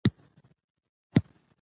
بې وزلو سره مرسته کول انساني دنده ده.